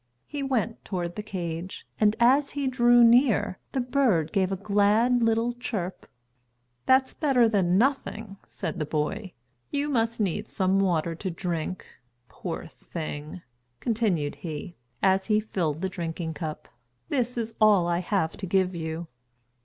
He went toward the cage, and, as he drew near, the bird gave a glad little chirp. "That's better than nothing," said the boy. "You must need some water to drink. Poor thing," continued he, as he filled the drinking cup, "this is all I have to give you."